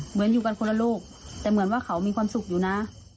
อยู่กันคนละลูกแต่เหมือนว่าเขามีความสุขอยู่นะ